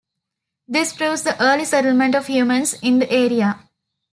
This proves the early settlement of humans in the area.